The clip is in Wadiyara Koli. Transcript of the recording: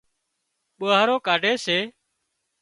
ٻوهارو ڪاڍي سي